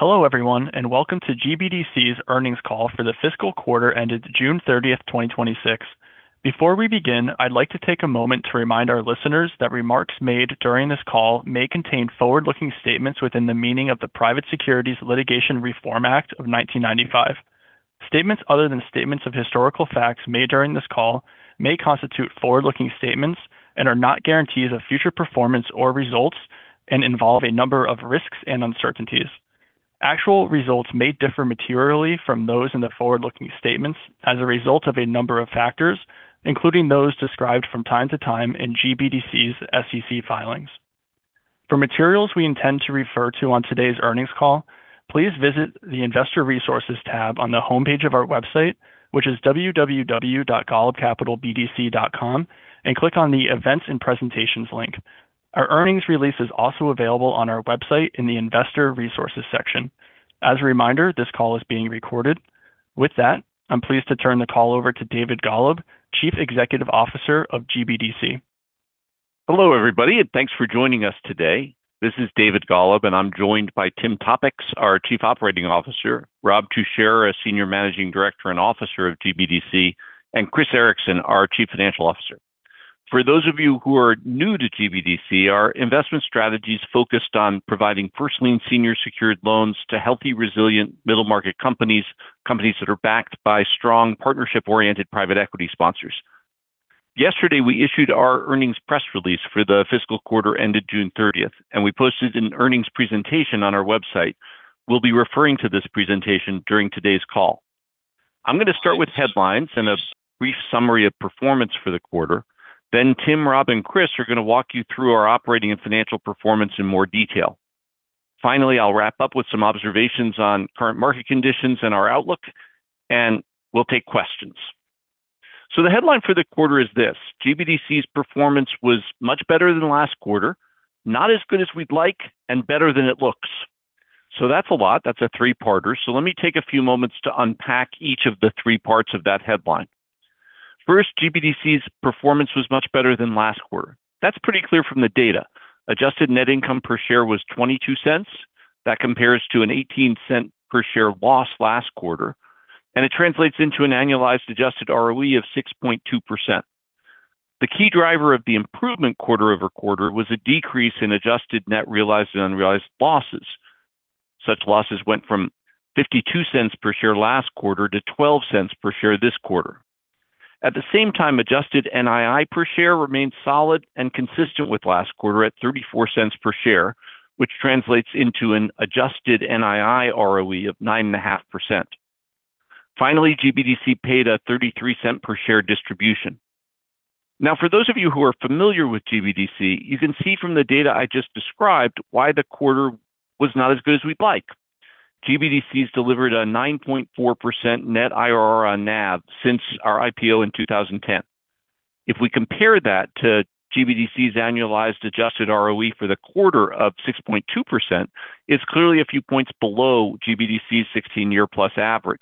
Hello, everyone. Welcome to GBDC's Earnings Call for the fiscal quarter ended June 30th, 2026. Before we begin, I'd like to take a moment to remind our listeners that remarks made during this call may contain forward-looking statements within the meaning of the Private Securities Litigation Reform Act of 1995. Statements other than statements of historical facts made during this call may constitute forward-looking statements and are not guarantees of future performance or results, and involve a number of risks and uncertainties. Actual results may differ materially from those in the forward-looking statements as a result of a number of factors, including those described from time to time in GBDC's SEC filings. For materials we intend to refer to on today's earnings call, please visit the Investor Resources tab on the homepage of our website, which is www.golubcapitalbdc.com. Click on the Events and Presentations link. Our earnings release is also available on our website in the Investor Resources section. As a reminder, this call is being recorded. With that, I'm pleased to turn the call over to David Golub, Chief Executive Officer of GBDC. Hello, everybody. Thanks for joining us today. This is David Golub, and I'm joined by Tim Topicz, our Chief Operating Officer, Rob Tuchscherer, our Senior Managing Director and Officer of GBDC, and Chris Ericson, our Chief Financial Officer. For those of you who are new to GBDC, our investment strategy's focused on providing first lien senior secured loans to healthy, resilient middle-market companies that are backed by strong partnership-oriented private equity sponsors. Yesterday, we issued our earnings press release for the fiscal quarter ended June 30th. We posted an earnings presentation on our website. We'll be referring to this presentation during today's call. I'm going to start with headlines and a brief summary of performance for the quarter. Tim, Rob, and Chris are going to walk you through our operating and financial performance in more detail. Finally, I'll wrap up with some observations on current market conditions and our outlook. We'll take questions. The headline for the quarter is this. GBDC's performance was much better than last quarter, not as good as we'd like, and better than it looks. That's a lot. That's a three-parter. Let me take a few moments to unpack each of the three parts of that headline. First, GBDC's performance was much better than last quarter. That's pretty clear from the data. Adjusted net income per share was $0.22. That compares to an $0.18 per share loss last quarter, and it translates into an annualized adjusted ROE of 6.2%. The key driver of the improvement quarter-over-quarter was a decrease in adjusted net realized and unrealized losses. Such losses went from $0.52 per share last quarter to $0.12 per share this quarter. At the same time, adjusted NII per share remained solid and consistent with last quarter at $0.34 per share, which translates into an adjusted NII ROE of 9.5%. Finally, GBDC paid a $0.33 per share distribution. For those of you who are familiar with GBDC, you can see from the data I just described why the quarter was not as good as we'd like. GBDC's delivered a 9.4% net IRR on NAV since our IPO in 2010. If we compare that to GBDC's annualized adjusted ROE for the quarter of 6.2%, it's clearly a few points below GBDC's 16-year+ average.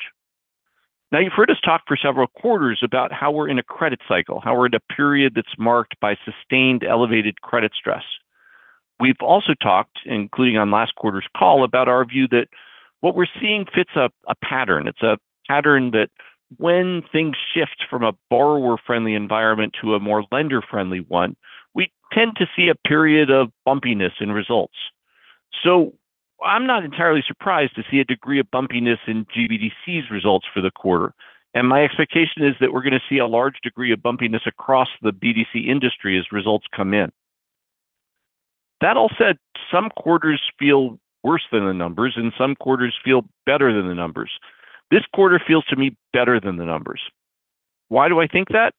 You've heard us talk for several quarters about how we're in a credit cycle, how we're in a period that's marked by sustained elevated credit stress. We've also talked, including on last quarter's call, about our view that what we're seeing fits a pattern. It's a pattern that when things shift from a borrower-friendly environment to a more lender-friendly one, we tend to see a period of bumpiness in results. I'm not entirely surprised to see a degree of bumpiness in GBDC's results for the quarter. My expectation is that we're going to see a large degree of bumpiness across the BDC industry as results come in. That all said, some quarters feel worse than the numbers, and some quarters feel better than the numbers. This quarter feels to me better than the numbers. Why do I think that?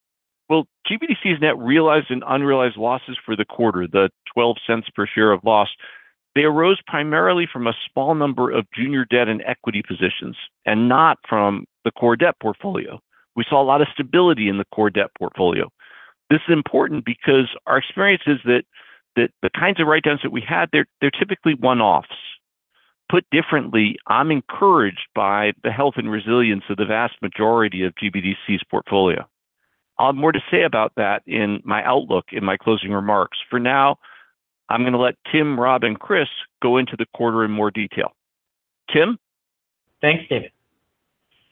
GBDC's net realized and unrealized losses for the quarter, the $0.12 per share of loss, they arose primarily from a small number of junior debt and equity positions, and not from the core debt portfolio. We saw a lot of stability in the core debt portfolio. This is important because our experience is that the kinds of write-downs that we had, they're typically one-offs. Put differently, I'm encouraged by the health and resilience of the vast majority of GBDC's portfolio. I'll have more to say about that in my outlook in my closing remarks. For now, I'm going to let Tim, Rob, and Chris go into the quarter in more detail. Tim? Thanks, David.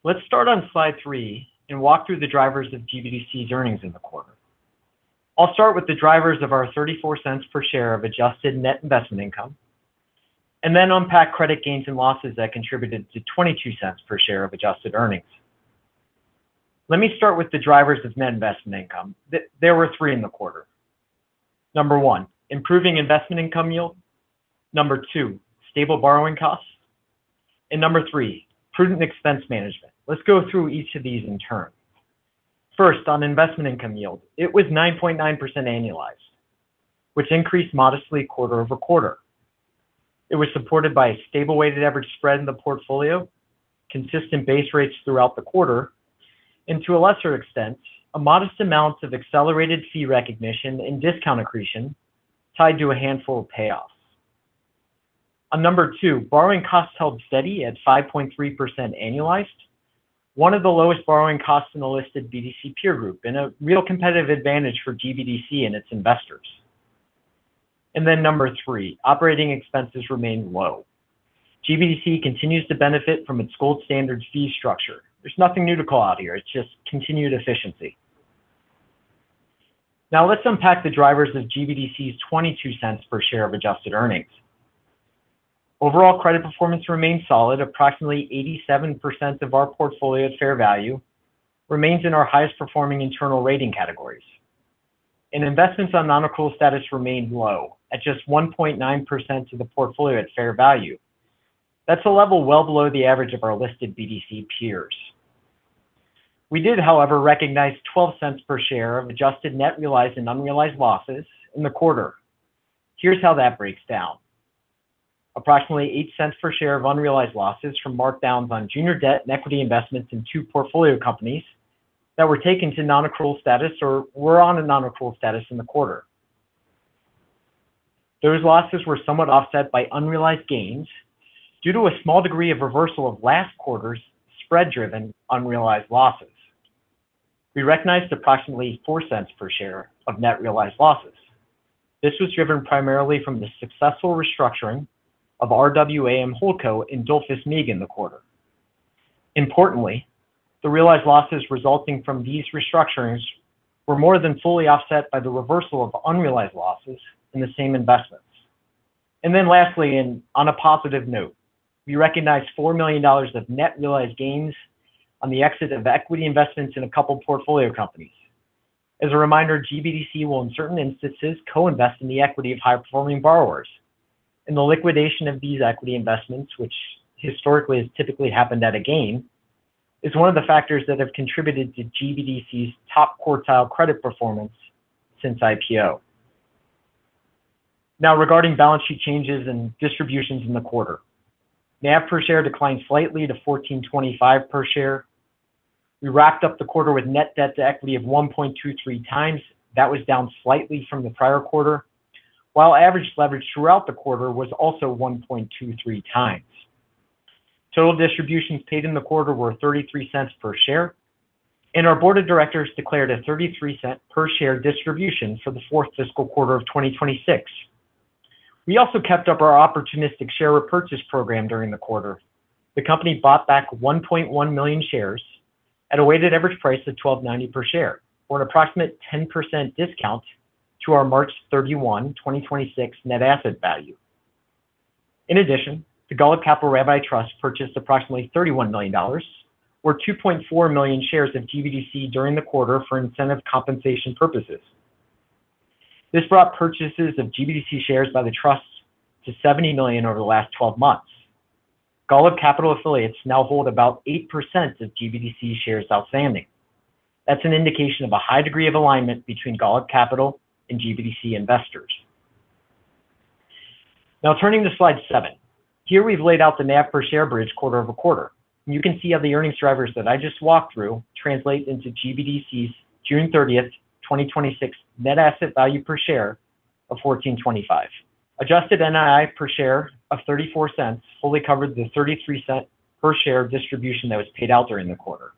Let's start on slide three and walk through the drivers of GBDC's earnings in the quarter. I'll start with the drivers of our $0.34 per share of adjusted net investment income, then unpack credit gains and losses that contributed to $0.22 per share of adjusted earnings. Let me start with the drivers of net investment income. There were three in the quarter. Number one, improving investment income yield. Number two, stable borrowing costs. Number three, prudent expense management. Let's go through each of these in turn. First, on investment income yield, it was 9.9% annualized, which increased modestly quarter-over-quarter. It was supported by a stable weighted average spread in the portfolio, consistent base rates throughout the quarter, and to a lesser extent, a modest amount of accelerated fee recognition and discount accretion tied to a handful of payoffs. On number two, borrowing costs held steady at 5.3% annualized, one of the lowest borrowing costs in the listed BDC peer group, and a real competitive advantage for GBDC and its investors. Number three, operating expenses remained low. GBDC continues to benefit from its gold standard fee structure. There's nothing new to call out here. It's just continued efficiency. Now let's unpack the drivers of GBDC's $0.22 per share of adjusted earnings. Overall credit performance remained solid. Approximately 87% of our portfolio at fair value remains in our highest performing internal rating categories. Investments on non-accrual status remained low at just 1.9% of the portfolio at fair value. That's a level well below the average of our listed BDC peers. We did, however, recognize $0.12 per share of adjusted net realized and unrealized losses in the quarter. Here's how that breaks down. Approximately $0.08 per share of unrealized losses from markdowns on junior debt and equity investments in two portfolio companies that were taken to non-accrual status or were on a non-accrual status in the quarter. Those losses were somewhat offset by unrealized gains due to a small degree of reversal of last quarter's spread-driven unrealized losses. We recognized approximately $0.04 per share of net realized losses. This was driven primarily from the successful restructuring of [RWAM Holdco] and [Dolphis Midco] in the quarter. Importantly, the realized losses resulting from these restructurings were more than fully offset by the reversal of unrealized losses in the same investments. Lastly, and on a positive note, we recognized $4 million of net realized gains on the exit of equity investments in a couple portfolio companies. As a reminder, GBDC will, in certain instances, co-invest in the equity of high-performing borrowers. The liquidation of these equity investments, which historically has typically happened at a gain, is one of the factors that have contributed to GBDC's top-quartile credit performance since IPO. Now, regarding balance sheet changes and distributions in the quarter. NAV per share declined slightly to $14.25 per share. We wrapped up the quarter with net debt-to-equity of 1.23x. That was down slightly from the prior quarter, while average leverage throughout the quarter was also 1.23x. Total distributions paid in the quarter were $0.33 per share. Our Board of Directors declared a $0.33-per-share distribution for the fourth fiscal quarter of 2026. We also kept up our opportunistic share repurchase program during the quarter. The company bought back 1.1 million shares at a weighted average price of $12.90 per share or an approximate 10% discount to our March 31, 2026, net asset value. In addition, the Golub Capital Employee Grant Program Rabbi Trust purchased approximately $31 million or 2.4 million shares of GBDC during the quarter for incentive compensation purposes. This brought purchases of GBDC shares by the trust to $70 million over the last 12 months. Golub Capital affiliates now hold about 8% of GBDC shares outstanding. That's an indication of a high degree of alignment between Golub Capital and GBDC investors. Turning to slide seven, here we've laid out the NAV per share bridge quarter-over-quarter, and you can see how the earnings drivers that I just walked through translate into GBDC's June 30th, 2026, net asset value per share of $14.25. Adjusted NII per share of $0.34 fully covered the $0.33 per share of distribution that was paid out during the quarter.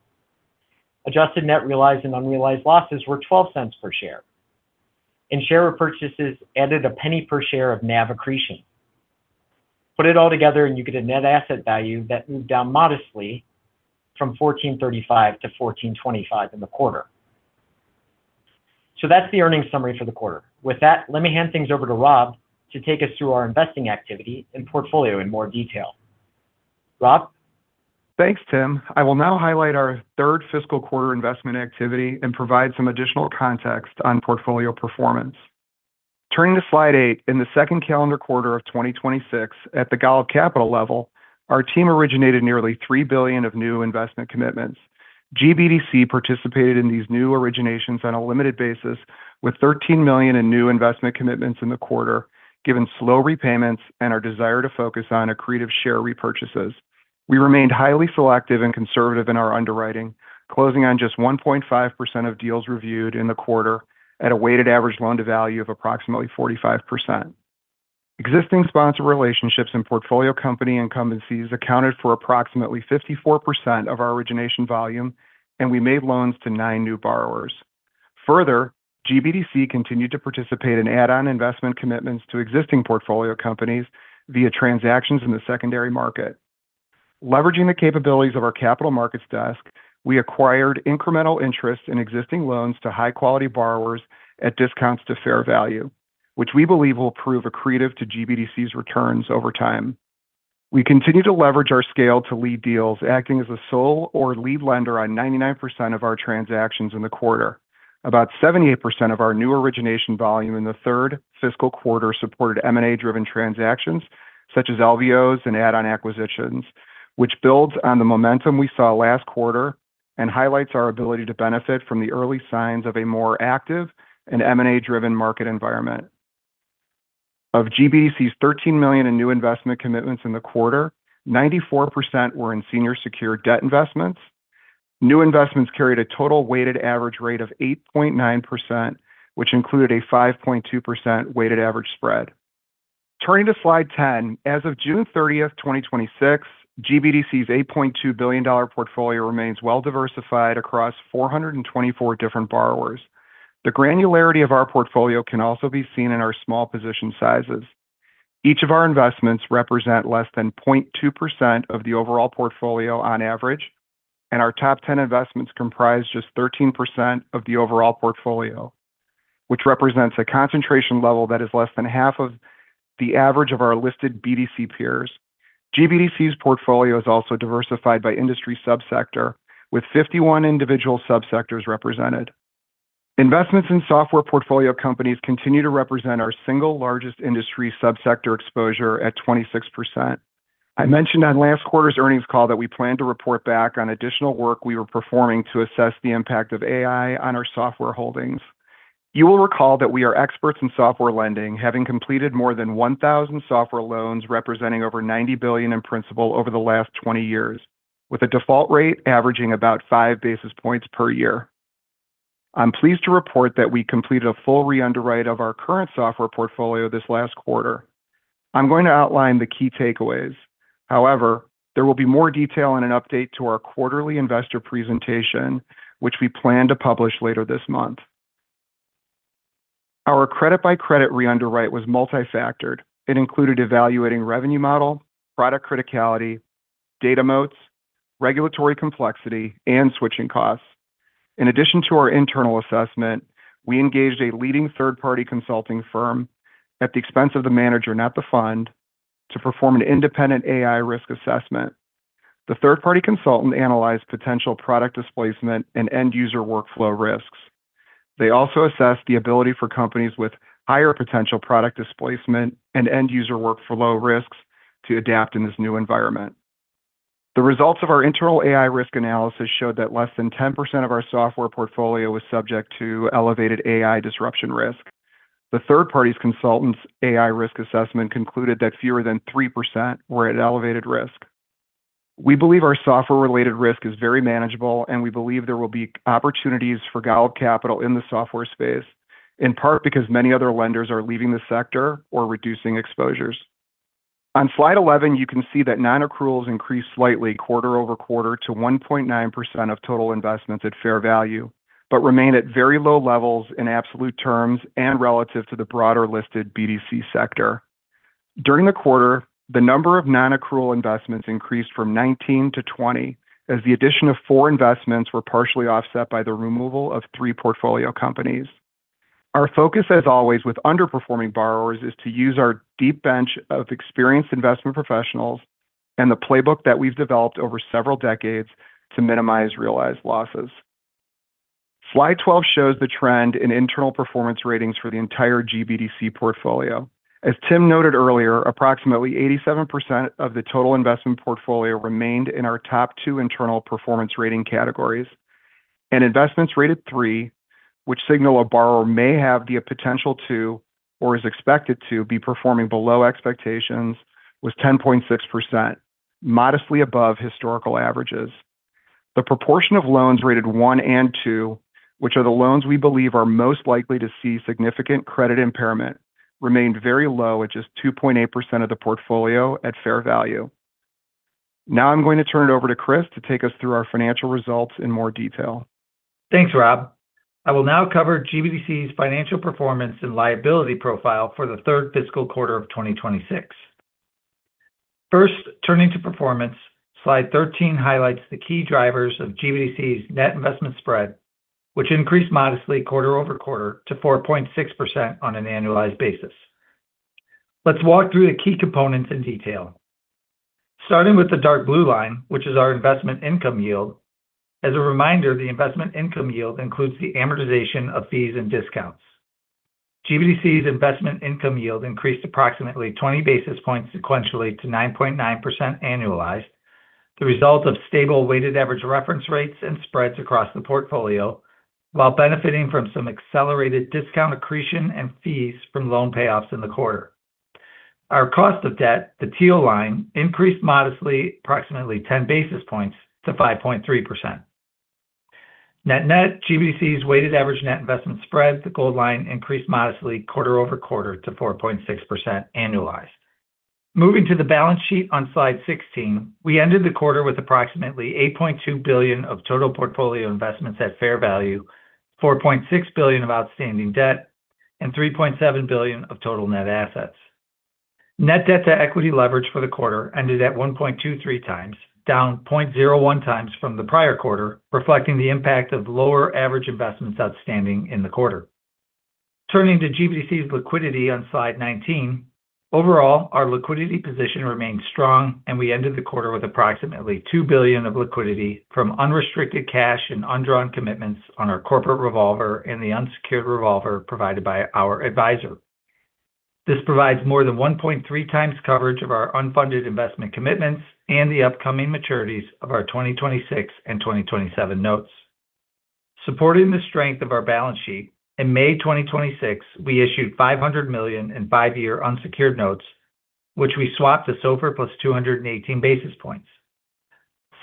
Adjusted net realized and unrealized losses were $0.12 per share, and share repurchases added $0.01 per share of NAV accretion. Put it all together and you get a net asset value that moved down modestly from $14.35-$14.25 in the quarter. That's the earnings summary for the quarter. With that, let me hand things over to Rob to take us through our investing activity and portfolio in more detail. Rob? Thanks, Tim. I will now highlight our third fiscal quarter investment activity and provide some additional context on portfolio performance. Turning to slide eight, in the second calendar quarter of 2026 at the Golub Capital level, our team originated nearly $3 billion of new investment commitments. GBDC participated in these new originations on a limited basis with $13 million in new investment commitments in the quarter, given slow repayments and our desire to focus on accretive share repurchases. We remained highly selective and conservative in our underwriting, closing on just 1.5% of deals reviewed in the quarter at a weighted average loan to value of approximately 45%. Existing sponsor relationships and portfolio company incumbencies accounted for approximately 54% of our origination volume, and we made loans to nine new borrowers. GBDC continued to participate in add-on investment commitments to existing portfolio companies via transactions in the secondary market. Leveraging the capabilities of our Capital Markets desk, we acquired incremental interest in existing loans to high-quality borrowers at discounts to fair value, which we believe will prove accretive to GBDC's returns over time. We continue to leverage our scale to lead deals, acting as the sole or lead lender on 99% of our transactions in the quarter. About 78% of our new origination volume in the third fiscal quarter supported M&A-driven transactions such as LBOs and add-on acquisitions, which builds on the momentum we saw last quarter and highlights our ability to benefit from the early signs of a more active and M&A-driven market environment. Of GBDC's $13 million in new investment commitments in the quarter, 94% were in senior secured debt investments. New investments carried a total weighted average rate of 8.9%, which included a 5.2% weighted average spread. Turning to slide 10, as of June 30th, 2026, GBDC's $8.2 billion portfolio remains well-diversified across 424 different borrowers. The granularity of our portfolio can also be seen in our small position sizes. Each of our investments represent less than 0.2% of the overall portfolio on average, and our top 10 investments comprise just 13% of the overall portfolio, which represents a concentration level that is less than half of the average of our listed BDC peers. GBDC's portfolio is also diversified by industry subsector, with 51 individual subsectors represented. Investments in software portfolio companies continue to represent our single largest industry subsector exposure at 26%. I mentioned on last quarter's earnings call that we plan to report back on additional work we were performing to assess the impact of AI on our software holdings. You will recall that we are experts in software lending, having completed more than 1,000 software loans representing over $90 billion in principal over the last 20 years, with a default rate averaging about 5 basis points per year. I'm pleased to report that we completed a full re-underwrite of our current software portfolio this last quarter. I'm going to outline the key takeaways. There will be more detail in an update to our quarterly investor presentation, which we plan to publish later this month. Our credit-by-credit re-underwrite was multi-factored. It included evaluating revenue model, product criticality, data moats, regulatory complexity, and switching costs. In addition to our internal assessment, we engaged a leading third-party consulting firm at the expense of the manager, not the fund, to perform an independent AI risk assessment. The third-party consultant analyzed potential product displacement and end-user workflow risks. They also assessed the ability for companies with higher potential product displacement and end-user workflow risks to adapt in this new environment. The results of our internal AI risk analysis showed that less than 10% of our software portfolio was subject to elevated AI disruption risk. The third party's consultant's AI risk assessment concluded that fewer than 3% were at elevated risk. We believe our software-related risk is very manageable, and we believe there will be opportunities for Golub Capital in the software space, in part because many other lenders are leaving the sector or reducing exposures. On slide 11, you can see that non-accruals increased slightly quarter-over-quarter to 1.9% of total investments at fair value, but remain at very low levels in absolute terms and relative to the broader listed BDC sector. During the quarter, the number of non-accrual investments increased from 19 to 20, as the addition of four investments were partially offset by the removal of three portfolio companies. Our focus, as always, with underperforming borrowers is to use our deep bench of experienced investment professionals and the playbook that we've developed over several decades to minimize realized losses. Slide 12 shows the trend in internal performance ratings for the entire GBDC portfolio. As Tim noted earlier, approximately 87% of the total investment portfolio remained in our top two internal performance rating categories, and investments rated three, which signal a borrower may have the potential to, or is expected to be performing below expectations, was 10.6%, modestly above historical averages. The proportion of loans rated 1 and 2, which are the loans we believe are most likely to see significant credit impairment, remained very low at just 2.8% of the portfolio at fair value. Now I'm going to turn it over to Chris to take us through our financial results in more detail. Thanks, Rob. I will now cover GBDC's financial performance and liability profile for the third fiscal quarter of 2026. First, turning to performance. Slide 13 highlights the key drivers of GBDC's net investment spread, which increased modestly quarter-over-quarter to 4.6% on an annualized basis. Let's walk through the key components in detail. Starting with the dark blue line, which is our investment income yield. As a reminder, the investment income yield includes the amortization of fees and discounts. GBDC's investment income yield increased approximately 20 basis points sequentially to 9.9% annualized, the result of stable weighted average reference rates and spreads across the portfolio, while benefiting from some accelerated discount accretion and fees from loan payoffs in the quarter. Our cost of debt, the teal line, increased modestly approximately 10 basis points to 5.3%. Net-net, GBDC's weighted average net investment spread, the gold line, increased modestly quarter-over-quarter to 4.6% annualized. Moving to the balance sheet on slide 16, we ended the quarter with approximately $8.2 billion of total portfolio investments at fair value, $4.6 billion of outstanding debt, and $3.7 billion of total net assets. Net debt-to-equity leverage for the quarter ended at 1.23x, down 0.01x from the prior quarter, reflecting the impact of lower average investments outstanding in the quarter. Turning to GBDC's liquidity on slide 19. Overall, our liquidity position remained strong and we ended the quarter with approximately $2 billion of liquidity from unrestricted cash and undrawn commitments on our corporate revolver and the unsecured revolver provided by our advisor. This provides more than 1.3x coverage of our unfunded investment commitments and the upcoming maturities of our 2026 and 2027 notes. Supporting the strength of our balance sheet, in May 2026, we issued $500 million and five-year unsecured notes, which we swapped to SOFR +218 basis points.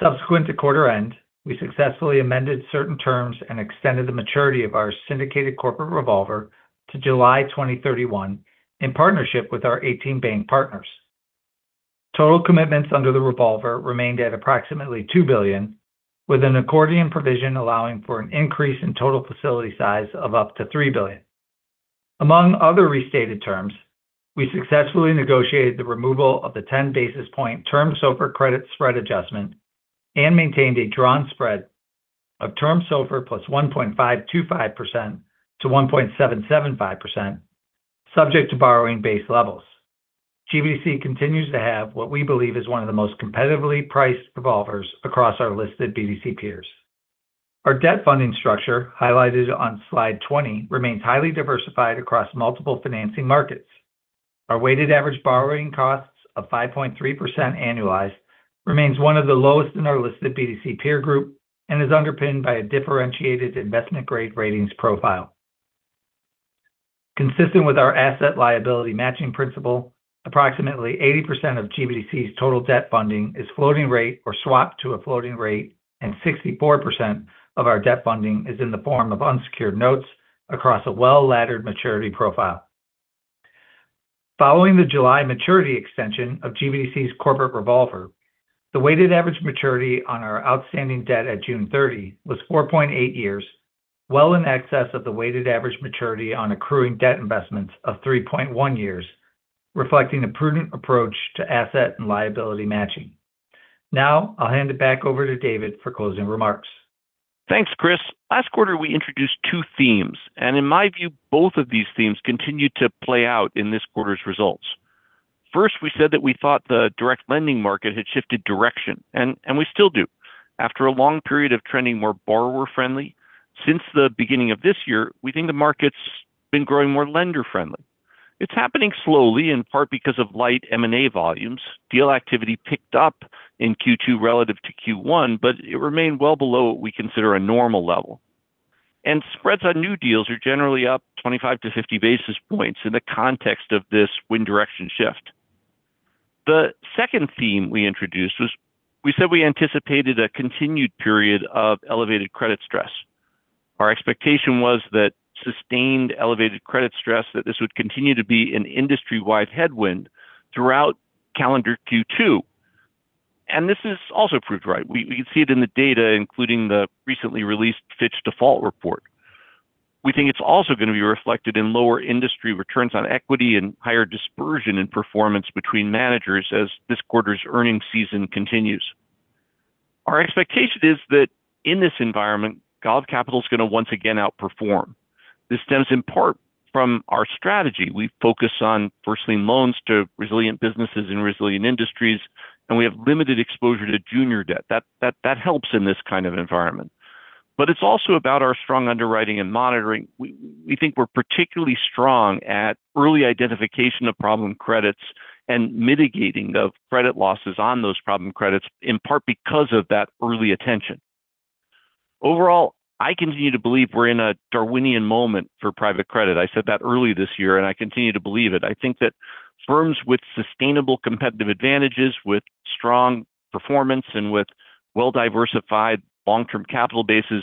Subsequent to quarter end, we successfully amended certain terms and extended the maturity of our syndicated corporate revolver to July 2031 in partnership with our 18 bank partners. Total commitments under the revolver remained at approximately $2 billion, with an accordion provision allowing for an increase in total facility size of up to $3 billion. Among other restated terms, we successfully negotiated the removal of the 10-basis points term SOFR credit spread adjustment and maintained a drawn spread of term SOFR +1.525% to 1.775%, subject to borrowing base levels. GBDC continues to have what we believe is one of the most competitively priced revolvers across our listed BDC peers. Our debt funding structure, highlighted on slide 20, remains highly diversified across multiple financing markets. Our weighted average borrowing costs of 5.3% annualized remains one of the lowest in our listed BDC peer group and is underpinned by a differentiated investment-grade ratings profile. Consistent with our asset liability matching principle, approximately 80% of GBDC's total debt funding is floating rate or swapped to a floating rate, and 64% of our debt funding is in the form of unsecured notes across a well-laddered maturity profile. Following the July maturity extension of GBDC's corporate revolver, the weighted average maturity on our outstanding debt at June 30 was 4.8 years, well in excess of the weighted average maturity on accruing debt investments of 3.1 years, reflecting a prudent approach to asset and liability matching. I'll hand it back over to David for closing remarks. Thanks, Chris. Last quarter, we introduced two themes, and in my view, both of these themes continued to play out in this quarter's results. First, we said that we thought the direct lending market had shifted direction, and we still do. After a long period of trending more borrower-friendly, since the beginning of this year, we think the market's been growing more lender-friendly. It's happening slowly, in part because of light M&A volumes. Deal activity picked up in Q2 relative to Q1, but it remained well below what we consider a normal level. Spreads on new deals are generally up 25 basis points-50 basis points in the context of this wind direction shift. The second theme we introduced was we said we anticipated a continued period of elevated credit stress. Our expectation was that sustained elevated credit stress, that this would continue to be an industry-wide headwind throughout calendar Q2, and this has also proved right. We can see it in the data, including the recently released Fitch Default report. We think it's also going to be reflected in lower industry returns on equity and higher dispersion in performance between managers as this quarter's earnings season continues. Our expectation is that in this environment, Golub Capital is going to once again outperform. This stems in part from our strategy. We focus on firstly loans to resilient businesses and resilient industries, and we have limited exposure to junior debt. That helps in this kind of environment. It's also about our strong underwriting and monitoring. We think we're particularly strong at early identification of problem credits and mitigating the credit losses on those problem credits, in part because of that early attention. Overall, I continue to believe we're in a Darwinian moment for private credit. I said that early this year, and I continue to believe it. I think that firms with sustainable competitive advantages, with strong performance, and with well-diversified long-term capital bases,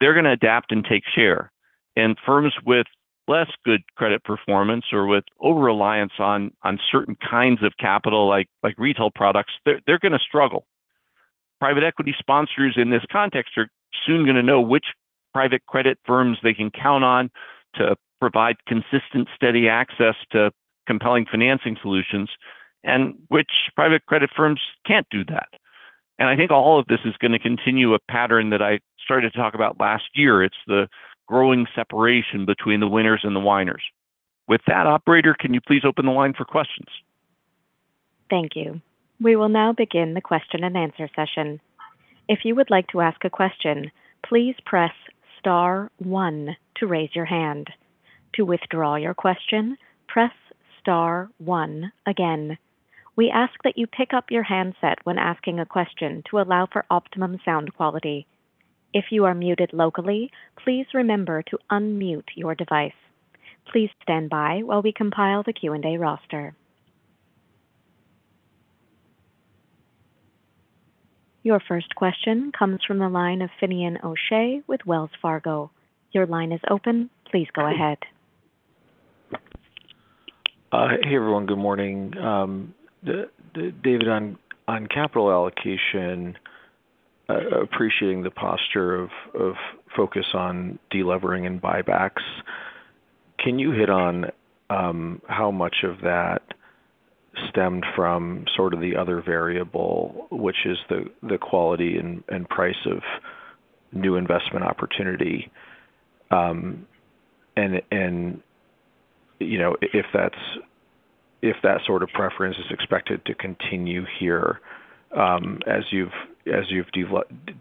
they're going to adapt and take share. Firms with less good credit performance or with overreliance on certain kinds of capital like retail products, they're going to struggle. Private equity sponsors in this context are soon going to know which private credit firms they can count on to provide consistent, steady access to compelling financing solutions, and which private credit firms can't do that. I think all of this is going to continue a pattern that I started to talk about last year. It's the growing separation between the winners and the whiners. With that, operator, can you please open the line for questions? Thank you. We will now begin the question-and-answer session. If you would like to ask a question, please press star one to raise your hand. To withdraw your question, press star one again. We ask that you pick up your handset when asking a question to allow for optimum sound quality. If you are muted locally, please remember to unmute your device. Please stand by while we compile the Q&A roster. Your first question comes from the line of Finian O'Shea with Wells Fargo. Your line is open. Please go ahead. Hey, everyone. Good morning. David, on capital allocation, appreciating the posture of focus on delevering and buybacks, can you hit on how much of that stemmed from sort of the other variable, which is the quality and price of new investment opportunity? If that sort of preference is expected to continue here as you've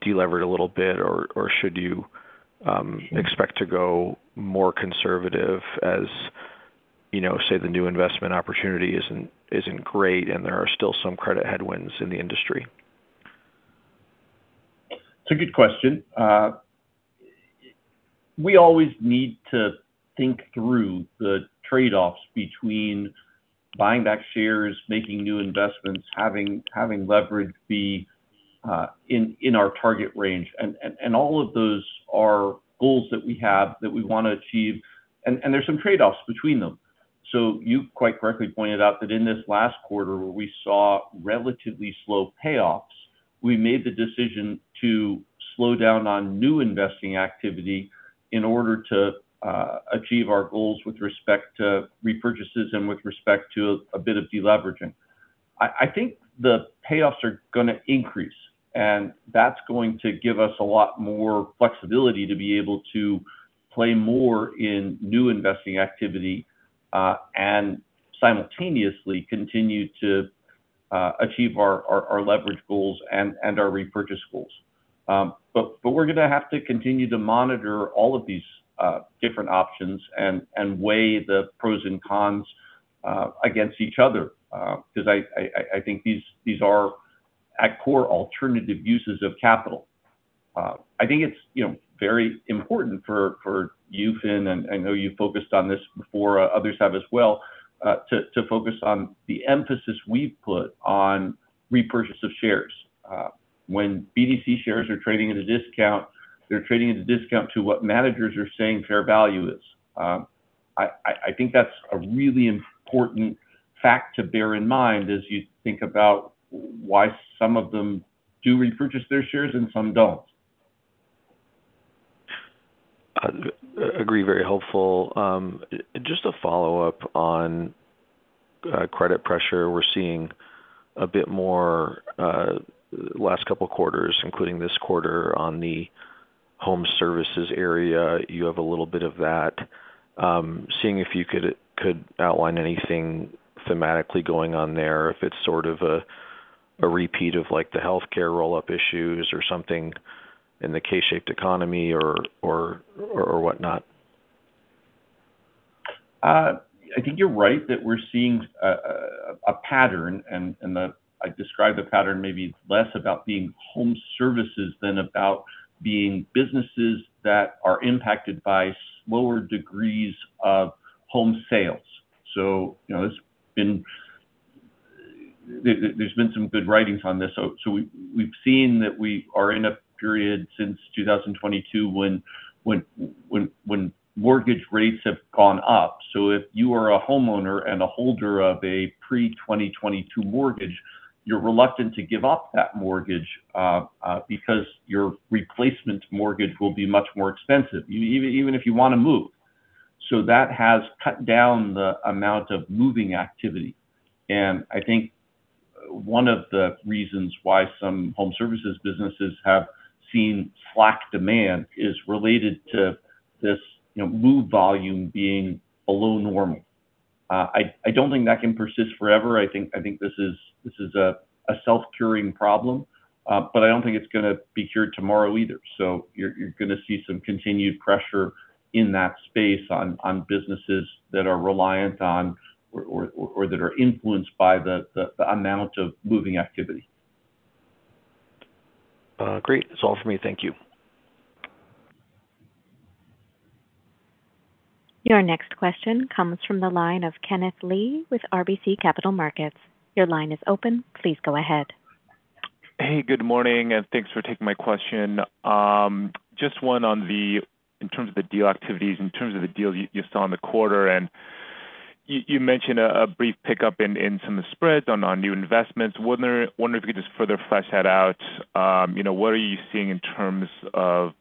delevered a little bit, or should you expect to go more conservative as say the new investment opportunity isn't great and there are still some credit headwinds in the industry? It's a good question. We always need to think through the trade-offs between buying back shares, making new investments, having leverage be in our target range. All of those are goals that we have that we want to achieve, and there are some trade-offs between them. You quite correctly pointed out that in this last quarter, where we saw relatively slow payoffs, we made the decision to slow down on new investing activity in order to achieve our goals with respect to repurchases and with respect to a bit of deleveraging. I think the payoffs are going to increase, and that's going to give us a lot more flexibility to be able to play more in new investing activity, and simultaneously continue to achieve our leverage goals and our repurchase goals. We're going to have to continue to monitor all of these different options and weigh the pros and cons against each other because I think these are at core alternative uses of capital. I think it's very important for you, Finn, and I know you focused on this before, others have as well, to focus on the emphasis we put on repurchase of shares. When BDC shares are trading at a discount, they're trading at a discount to what managers are saying fair value is. I think that's a really important fact to bear in mind as you think about why some of them do repurchase their shares and some don't. Agree. Very helpful. Just a follow-up on credit pressure. We're seeing a bit more last couple of quarters, including this quarter on the home services area. You have a little bit of that. Seeing if you could outline anything thematically going on there, if it's sort of a repeat of the healthcare roll-up issues or something in the K-shaped economy or whatnot. I think you're right that we're seeing a pattern, I describe the pattern maybe less about being home services than about being businesses that are impacted by slower degrees of home sales. There's been some good writings on this. We've seen that we are in a period since 2022 when mortgage rates have gone up. If you are a homeowner and a holder of a pre-2022 mortgage, you're reluctant to give up that mortgage because your replacement mortgage will be much more expensive, even if you want to move. That has cut down the amount of moving activity. I think one of the reasons why some home services businesses have seen slack demand is related to this move volume being below normal. I don't think that can persist forever. I think this is a self-curing problem. I don't think it's going to be cured tomorrow either. You're going to see some continued pressure in that space on businesses that are reliant on or that are influenced by the amount of moving activity. Great. That's all for me. Thank you. Your next question comes from the line of Kenneth Lee with RBC Capital Markets. Your line is open. Please go ahead. Hey, good morning, and thanks for taking my question. Just one in terms of the deal activities, in terms of the deals you saw in the quarter, and you mentioned a brief pickup in some of the spreads on new investments. Wondering if you could just further flesh that out. What are you seeing in terms of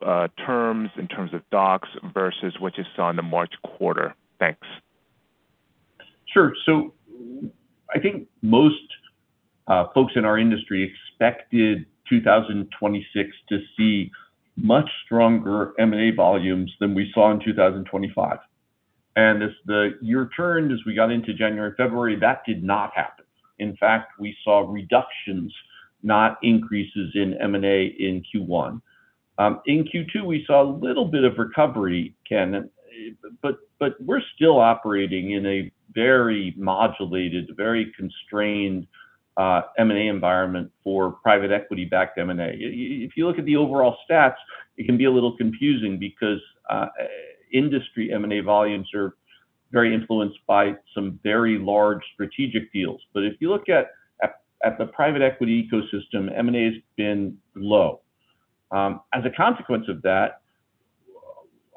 terms, in terms of docs versus what you saw in the March quarter? Thanks. Sure. I think most folks in our industry expected 2026 to see much stronger M&A volumes than we saw in 2025. As the year turned, as we got into January, February, that did not happen. In fact, we saw reductions, not increases in M&A in Q1. In Q2, we saw a little bit of recovery, Ken, but we're still operating in a very modulated, very constrained M&A environment for private equity-backed M&A. If you look at the overall stats, it can be a little confusing because industry M&A volumes are very influenced by some very large strategic deals. If you look at the private equity ecosystem, M&A has been low. As a consequence of that,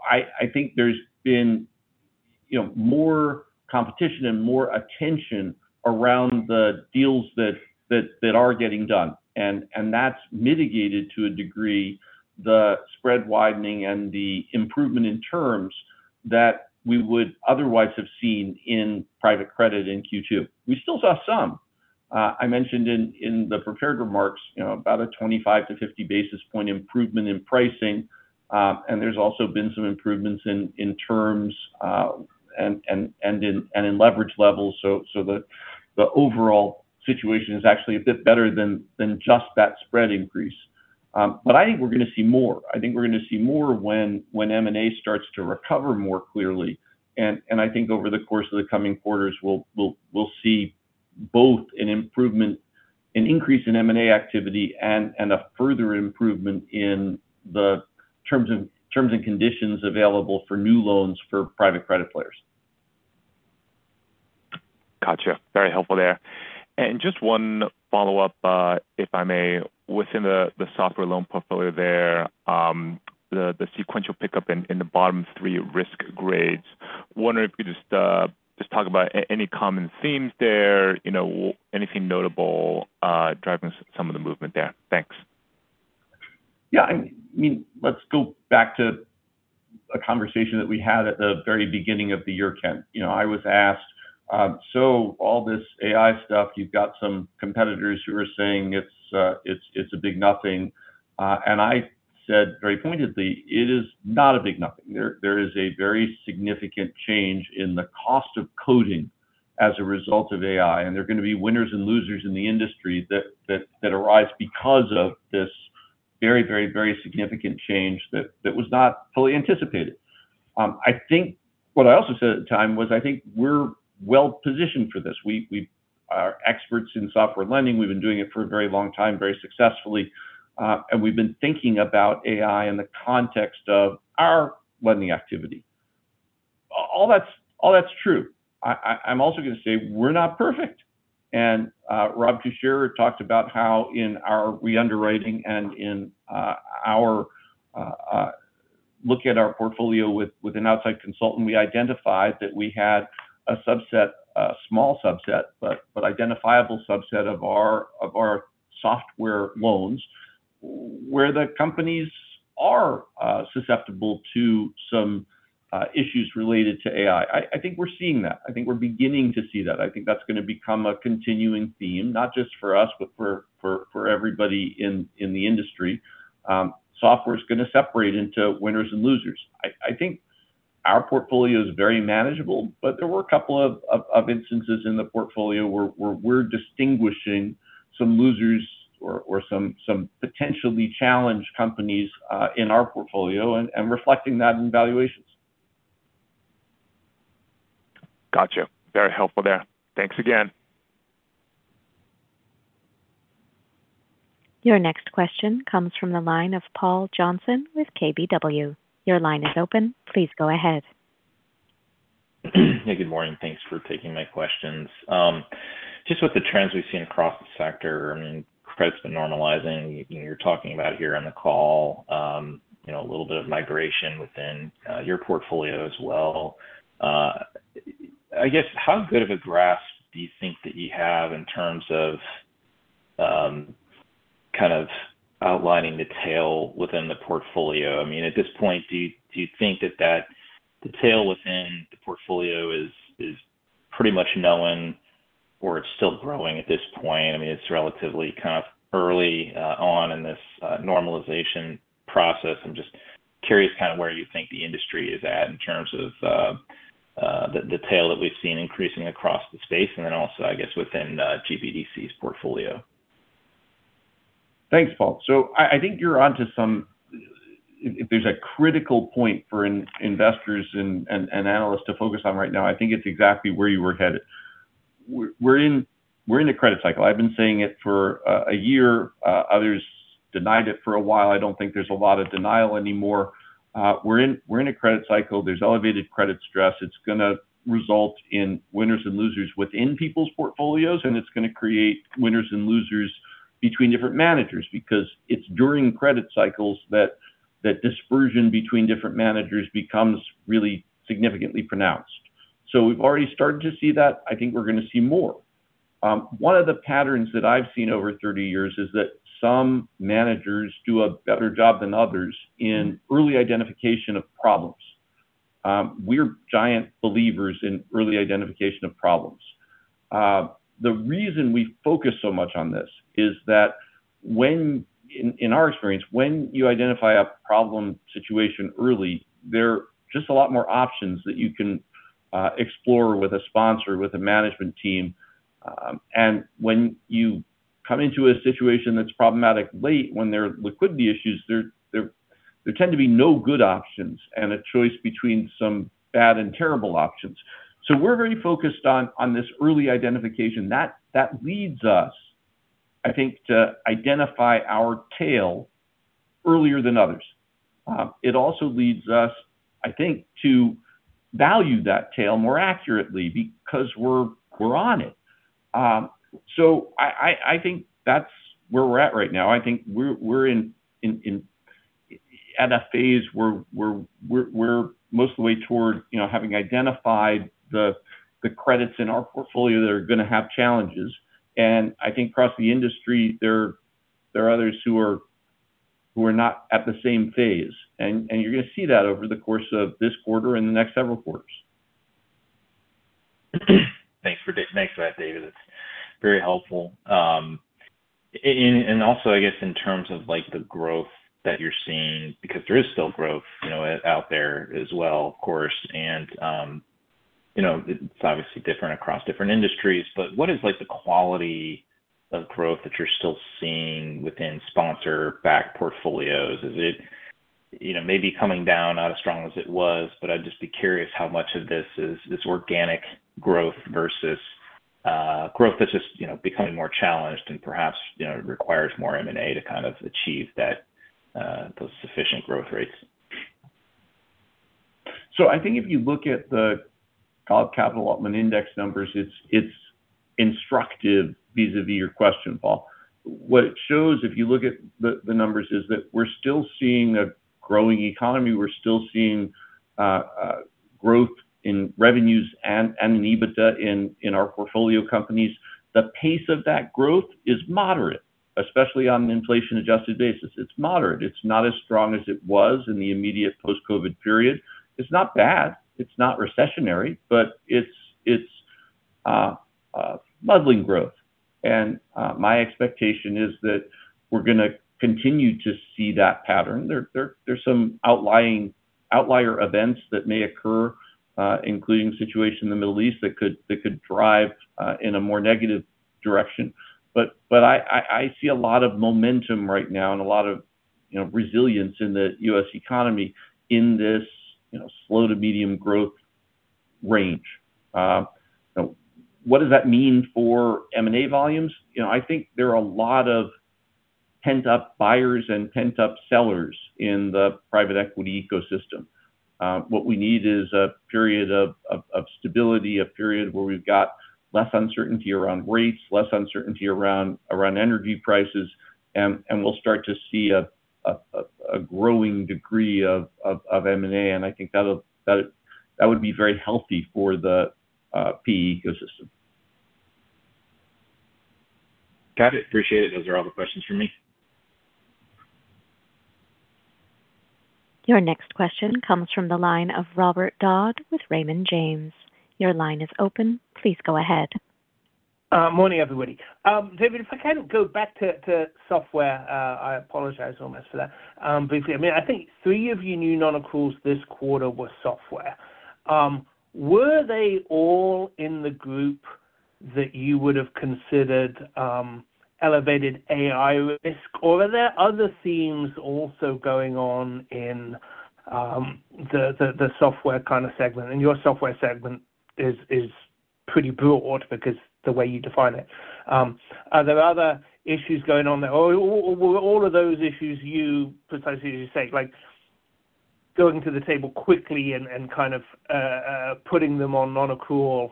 I think there's been more competition and more attention around the deals that are getting done. That's mitigated to a degree the spread widening and the improvement in terms that we would otherwise have seen in private credit in Q2. We still saw some. I mentioned in the prepared remarks, about a 25 basis points-50 basis points improvement in pricing. There's also been some improvements in terms and in leverage levels. So the overall situation is actually a bit better than just that spread increase. But I think we're going to see more. I think we're going to see more when M&A starts to recover more clearly. I think over the course of the coming quarters, we'll see both an increase in M&A activity and a further improvement in the terms and conditions available for new loans for private credit players. Got you. Very helpful there. Just one follow-up, if I may. Within the software loan portfolio there, the sequential pickup in the bottom three risk grades, wondering if you could just talk about any common themes there, anything notable driving some of the movement there. Thanks. Yeah. Let's go back to a conversation that we had at the very beginning of the year, Ken. I was asked, "All this AI stuff, you've got some competitors who are saying it's a big nothing." I said very pointedly, "It is not a big nothing." There is a very significant change in the cost of coding as a result of AI, and there are going to be winners and losers in the industry that arise because of this very significant change that was not fully anticipated. What I also said at the time was, I think we're well-positioned for this. We are experts in software lending. We've been doing it for a very long time, very successfully. And we've been thinking about AI in the context of our lending activity. All that's true. I'm also going to say we're not perfect. Rob Tuchscherer talked about how in our re-underwriting and in looking at our portfolio with an outside consultant, we identified that we had a small subset, but identifiable subset of our software loans where the companies are susceptible to some issues related to AI. I think we're seeing that. I think we're beginning to see that. I think that's going to become a continuing theme, not just for us, but for everybody in the industry. Software's going to separate into winners and losers. I think our portfolio is very manageable, but there were a couple of instances in the portfolio where we're distinguishing some losers or some potentially challenged companies in our portfolio and reflecting that in valuations. Got you. Very helpful there. Thanks again. Your next question comes from the line of Paul Johnson with KBW. Your line is open. Please go ahead. Hey, good morning. Thanks for taking my questions. Just with the trends we've seen across the sector, credit's been normalizing. You're talking about here on the call, a little bit of migration within your portfolio as well. I guess, how good of a grasp do you think that you have in terms of kind of outlining the tail within the portfolio? At this point, do you think that the tail within the portfolio is pretty much known, or it's still growing at this point? It's relatively kind of early on in this normalization process. I'm just curious kind of where you think the industry is at in terms of the tail that we've seen increasing across the space, and then also, I guess, within GBDC's portfolio. Thanks, Paul. If there's a critical point for investors and analysts to focus on right now, I think it's exactly where you were headed. We're in a credit cycle. I've been saying it for a year. Others denied it for a while. I don't think there's a lot of denial anymore. We're in a credit cycle. There's elevated credit stress. It's going to result in winners and losers within people's portfolios, and it's going to create winners and losers between different managers because it's during credit cycles that dispersion between different managers becomes really significantly pronounced. We've already started to see that. I think we're going to see more. One of the patterns that I've seen over 30 years is that some managers do a better job than others in early identification of problems. We're giant believers in early identification of problems. The reason we focus so much on this is that in our experience, when you identify a problem situation early, there are just a lot more options that you can explore with a sponsor, with a management team. When you come into a situation that's problematic late, when there are liquidity issues, there tend to be no good options and a choice between some bad and terrible options. We're very focused on this early identification. That leads us, I think, to identify our tail earlier than others. It also leads us, I think, to value that tail more accurately because we're on it. I think that's where we're at right now. I think we're at a phase where we're most of the way toward having identified the credits in our portfolio that are going to have challenges. I think across the industry, there are others who are not at the same phase, and you're going to see that over the course of this quarter and the next several quarters. Thanks for that, David. That's very helpful. Also, I guess, in terms of the growth that you're seeing, because there is still growth out there as well, of course, and it's obviously different across different industries, but what is the quality of growth that you're still seeing within sponsor-backed portfolios? Maybe coming down, not as strong as it was, but I'd just be curious how much of this is organic growth versus growth that's just becoming more challenged and perhaps requires more M&A to kind of achieve those sufficient growth rates. I think if you look at the Golub Capital Altman Index numbers, it's instructive vis-a-vis your question, Paul. What it shows, if you look at the numbers, is that we're still seeing a growing economy. We're still seeing growth in revenues and in EBITDA in our portfolio companies. The pace of that growth is moderate, especially on an inflation-adjusted basis. It's moderate. It's not as strong as it was in the immediate post-COVID period. It's not bad. It's not recessionary, but it's muddling growth. My expectation is that we're going to continue to see that pattern. There's some outlier events that may occur, including the situation in the Middle East, that could drive in a more negative direction. I see a lot of momentum right now and a lot of resilience in the U.S. economy in this slow to medium growth range. What does that mean for M&A volumes? I think there are a lot of pent-up buyers and pent-up sellers in the private equity ecosystem. What we need is a period of stability, a period where we've got less uncertainty around rates, less uncertainty around energy prices, and we'll start to see a growing degree of M&A, and I think that would be very healthy for the PE ecosystem. Got it. Appreciate it. Those are all the questions from me. Your next question comes from the line of Robert Dodd with Raymond James. Your line is open. Please go ahead. Morning, everybody. David, if I can go back to software, I apologize almost for that. Briefly, I think three of your new non-accruals this quarter were software. Were they all in the group that you would have considered elevated AI risk, or are there other themes also going on in the software kind of segment? Your software segment is pretty broad because the way you define it. Are there other issues going on there, or were all of those issues you precisely say, like going to the table quickly and kind of putting them on non-accrual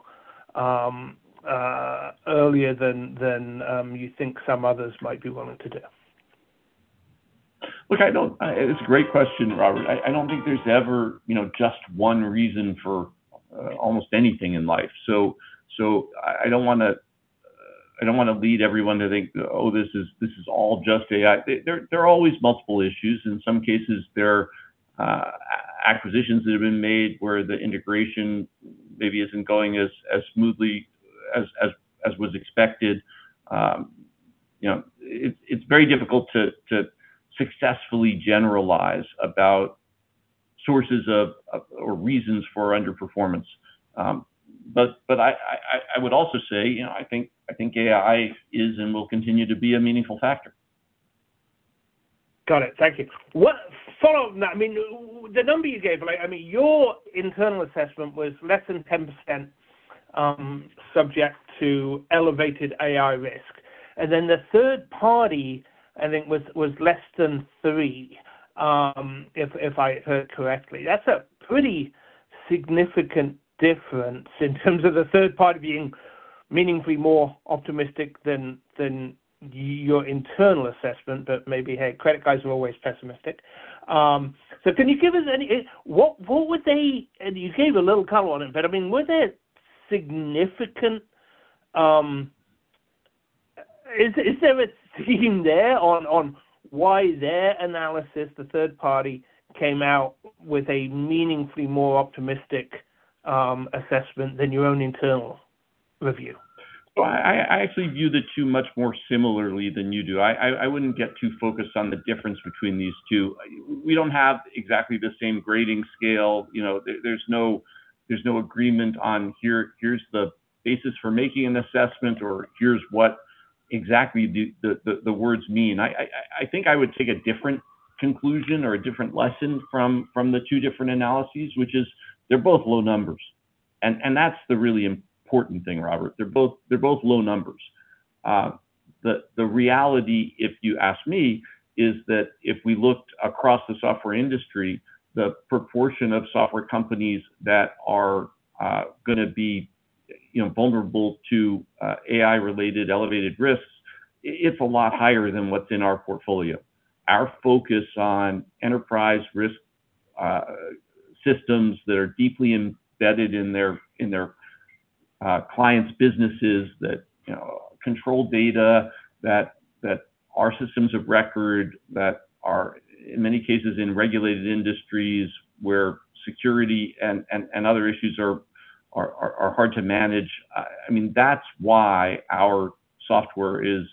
earlier than you think some others might be willing to do? It's a great question, Robert. I don't think there's ever just one reason for almost anything in life. I don't want to lead everyone to think that, oh, this is all just AI. There are always multiple issues. In some cases, there are acquisitions that have been made where the integration maybe isn't going as smoothly as was expected. It's very difficult to successfully generalize about sources of or reasons for underperformance. I would also say, I think AI is and will continue to be a meaningful factor. Got it. Thank you. Following that, the number you gave, your internal assessment was less than 10% subject to elevated AI risk. The third party, I think, was less than 3%, if I heard correctly. That's a pretty significant difference in terms of the third party being meaningfully more optimistic than your internal assessment, maybe credit guys are always pessimistic. You gave a little color on it, was it significant? Is there a theme there on why their analysis, the third party, came out with a meaningfully more optimistic assessment than your own internal review? Well, I actually view the two much more similarly than you do. I wouldn't get too focused on the difference between these two. We don't have exactly the same grading scale. There's no agreement on here's the basis for making an assessment or here's what exactly the words mean. I think I would take a different conclusion or a different lesson from the two different analyses, which is they're both low numbers. That's the really important thing, Robert. They're both low numbers. The reality, if you ask me, is that if we looked across the software industry, the proportion of software companies that are going to be vulnerable to AI-related elevated risks, it's a lot higher than what's in our portfolio. Our focus on enterprise risk systems that are deeply embedded in their clients' businesses, that control data, that are systems of record, that are, in many cases, in regulated industries where security and other issues are hard to manage. That's why our software is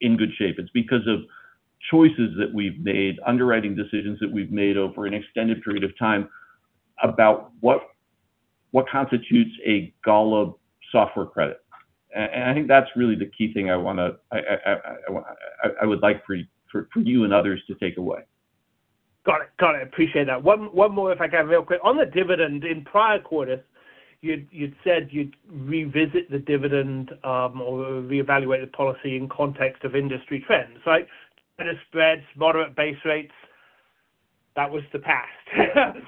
in good shape. It's because of choices that we've made, underwriting decisions that we've made over an extended period of time about what constitutes a Golub software credit? I think that's really the key thing I would like for you and others to take away. Got it. Appreciate that. One more if I can, real quick. On the dividend, in prior quarters, you'd said you'd revisit the dividend or reevaluate the policy in context of industry trends, right? Better spreads, moderate base rates. That was the past.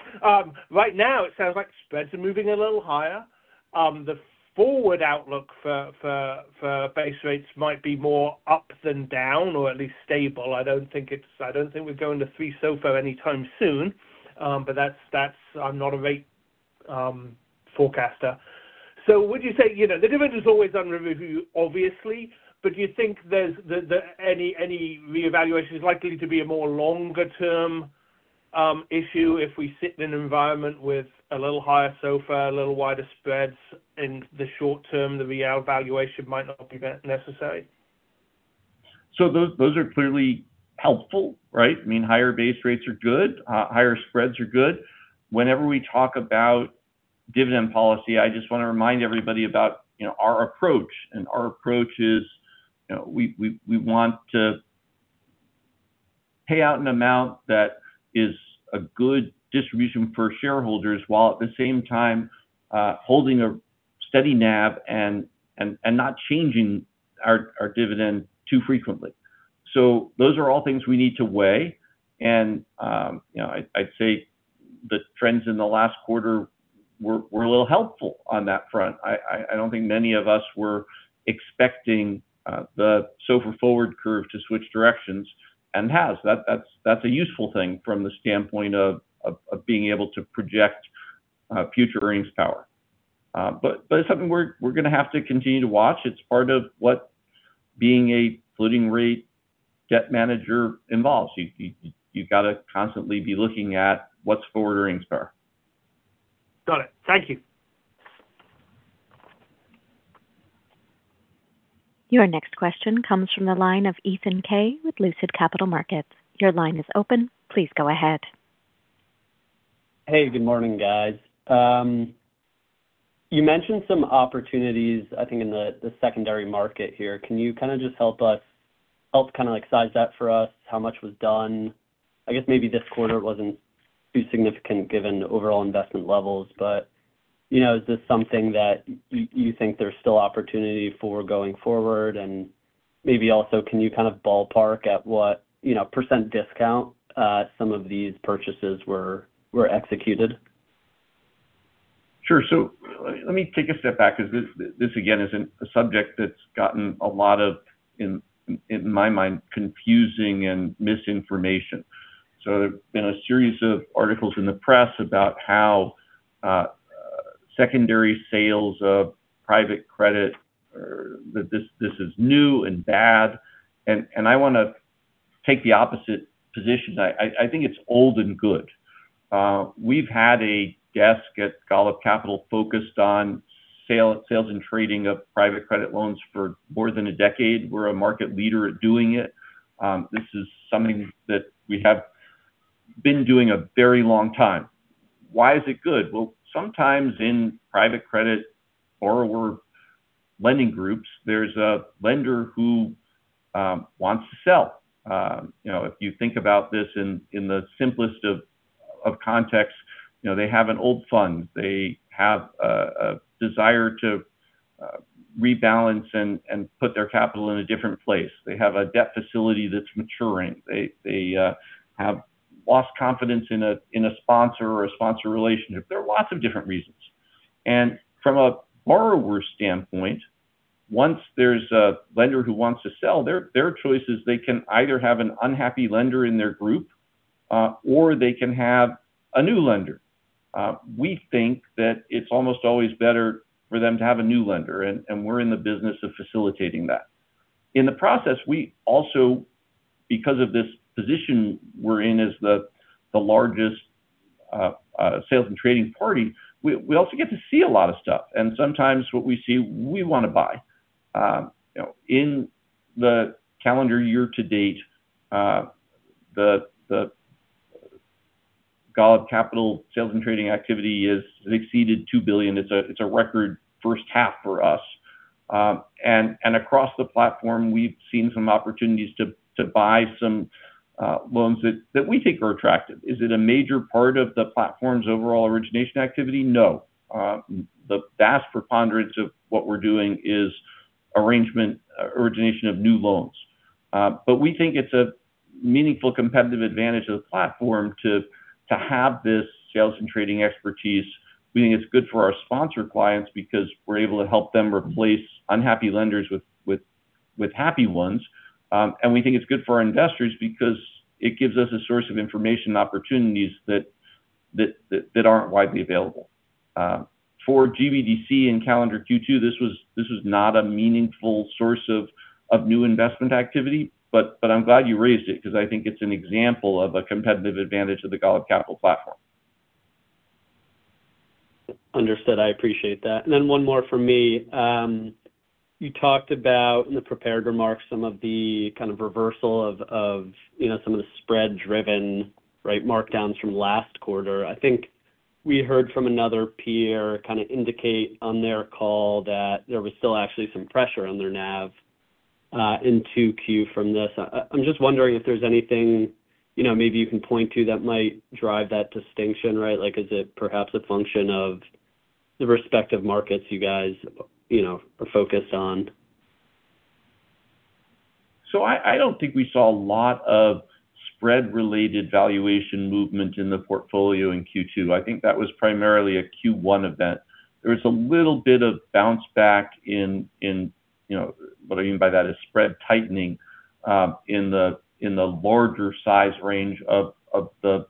Right now, it sounds like spreads are moving a little higher. The forward outlook for base rates might be more up than down, or at least stable. I don't think we're going to three-month SOFR anytime soon. I'm not a rate forecaster. Would you say, the dividend is always under review, obviously, but do you think any reevaluation is likely to be a more longer-term issue if we sit in an environment with a little higher SOFR, a little wider spreads in the short term, the reevaluation might not be necessary? Those are clearly helpful, right? Higher base rates are good. Higher spreads are good. Whenever we talk about dividend policy, I just want to remind everybody about our approach. Our approach is, we want to pay out an amount that is a good distribution for shareholders while at the same time, holding a steady NAV and not changing our dividend too frequently. Those are all things we need to weigh. I'd say the trends in the last quarter were a little helpful on that front. I don't think many of us were expecting the SOFR forward curve to switch directions and it has. That's a useful thing from the standpoint of being able to project future earnings power. It's something we're going to have to continue to watch. It's part of what being a floating rate debt manager involves. You've got to constantly be looking at what's forward earnings power. Got it. Thank you. Your next question comes from the line of Ethan Kaye with Lucid Capital Markets. Your line is open. Please go ahead. Hey, good morning, guys. You mentioned some opportunities, I think, in the secondary market here. Can you kind of just help size that for us, how much was done? I guess maybe this quarter it wasn't too significant given overall investment levels. Is this something that you think there's still opportunity for going forward? Maybe also, can you kind of ballpark at what percent discount some of these purchases were executed? Sure. Let me take a step back, because this, again, isn't a subject that's gotten a lot of, in my mind, confusing and misinformation. There have been a series of articles in the press about how secondary sales of private credit, that this is new and bad, and I want to take the opposite position. I think it's old and good. We've had a desk at Golub Capital focused on sales and trading of private credit loans for more than a decade. We're a market leader at doing it. This is something that we have been doing a very long time. Why is it good? Well, sometimes in private credit borrower lending groups, there's a lender who wants to sell. If you think about this in the simplest of contexts, they have an old fund. They have a desire to rebalance and put their capital in a different place. They have a debt facility that's maturing. They have lost confidence in a sponsor or a sponsor relationship. There are lots of different reasons. From a borrower's standpoint, once there's a lender who wants to sell, their choice is they can either have an unhappy lender in their group, or they can have a new lender. We think that it's almost always better for them to have a new lender, and we're in the business of facilitating that. In the process, we also, because of this position we're in as the largest sales and trading party, we also get to see a lot of stuff. Sometimes what we see, we want to buy. In the calendar year-to-date, the Golub Capital sales and trading activity has exceeded $2 billion. It's a record first half for us. Across the platform, we've seen some opportunities to buy some loans that we think are attractive. Is it a major part of the platform's overall origination activity? No. The vast preponderance of what we're doing is arrangement, origination of new loans. We think it's a meaningful competitive advantage of the platform to have this sales and trading expertise. We think it's good for our sponsor clients because we're able to help them replace unhappy lenders with happy ones. We think it's good for our investors because it gives us a source of information and opportunities that aren't widely available. For GBDC in calendar Q2, this was not a meaningful source of new investment activity. I'm glad you raised it because I think it's an example of a competitive advantage of the Golub Capital platform. Understood. I appreciate that. Then one more from me. You talked about, in the prepared remarks, some of the kind of reversal of some of the spread-driven markdowns from last quarter. I think we heard from another peer kind of indicate on their call that there was still actually some pressure on their NAV in 2Q from this. I'm just wondering if there's anything maybe you can point to that might drive that distinction, right? Like is it perhaps a function of the respective markets you guys are focused on? I don't think we saw a lot of spread-related valuation movement in the portfolio in Q2. I think that was primarily a Q1 event. There was a little bit of bounce back in, what I mean by that is spread tightening, in the larger size range of the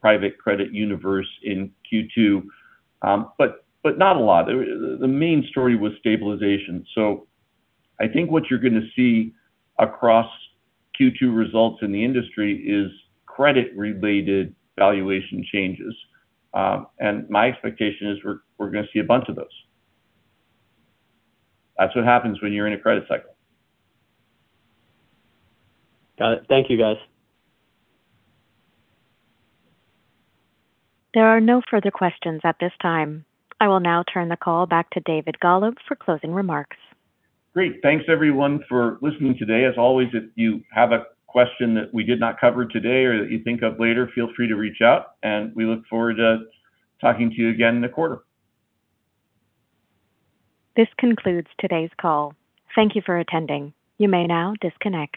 private credit universe in Q2. Not a lot. The main story was stabilization. I think what you're going to see across Q2 results in the industry is credit-related valuation changes. My expectation is we're going to see a bunch of those. That's what happens when you're in a credit cycle. Got it. Thank you, guys. There are no further questions at this time. I will now turn the call back to David Golub for closing remarks. Great. Thanks everyone for listening today. As always, if you have a question that we did not cover today or that you think of later, feel free to reach out, and we look forward to talking to you again in a quarter. This concludes today's call. Thank you for attending. You may now disconnect.